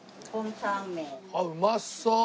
あっうまそう。